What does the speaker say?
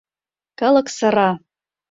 Калык сыра.